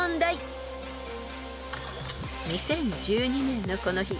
［２０１２年のこの日